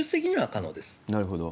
なるほど。